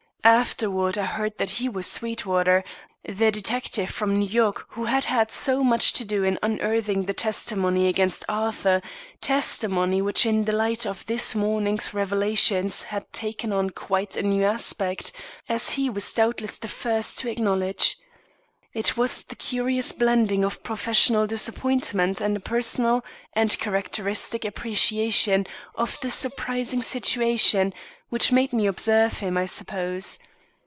Afterward I heard that he was Sweetwater, the detective from New York who had had so much to do in unearthing the testimony against Arthur, testimony which in the light of this morning's revelations, had taken on quite a new aspect, as he was doubtless the first to acknowledge. It was the curious blending of professional disappointment and a personal and characteristic appreciation of the surprising situation, which made me observe him, I suppose.